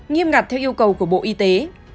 nghiêm ngặt theo yêu cầu của bộ y tế